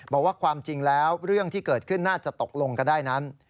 บอกว่าความจริงแล้วเรื่องที่เกิดขึ้นน่าจะตกลงกันได้นั้น